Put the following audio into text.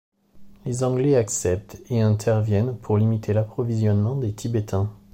Les Anglais acceptent et interviennent pour limiter l'approvisionnement des Tibétains.